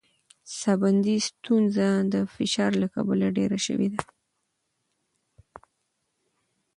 ساه بندي ستونزه د فشار له کبله ډېره شوې ده.